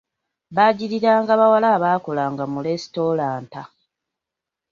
Bajjiriranga bawala abakolanga mu lesitulanta.